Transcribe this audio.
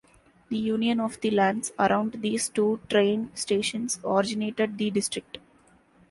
The union of the lands around these two train stations originated the district.